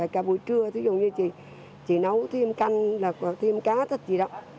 cả buổi trưa thí dụ như chị nấu thêm canh thêm cá thích gì đó